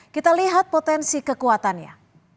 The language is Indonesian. kita lihat potensi kekuatannya